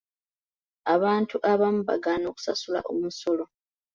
Abantu abamu bagaana okusasula omusolo.